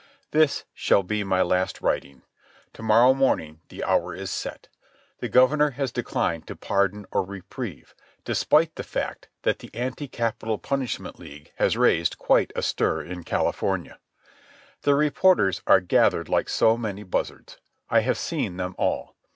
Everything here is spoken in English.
This shall be my last writing. To morrow morning the hour is set. The governor has declined to pardon or reprieve, despite the fact that the Anti Capital Punishment League has raised quite a stir in California. The reporters are gathered like so many buzzards. I have seen them all.